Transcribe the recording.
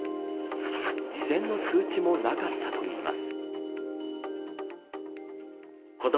事前の通知もなかったといいます。